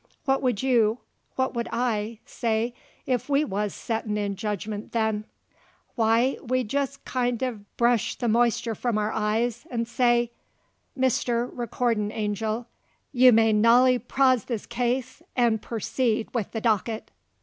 What would you what would I say, if we wuz settin' in jedgment then? Why, we'd jest kind uv bresh the moisture from our eyes 'nd say: "Mister recordin' angel, you may nolly pros this case 'nd perseed with the docket."